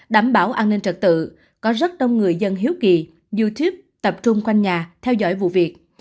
đảm bảo an ninh trật tự có rất đông người dân hiếu kỳ du thiếp tập trung quanh nhà theo dõi vụ việc